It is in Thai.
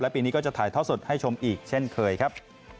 ปีนี้ก็จะถ่ายท่อสดให้ชมอีกเช่นเคยครับ